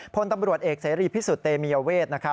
ผลตำรวจเอกสรีภิสุเตเมียเวท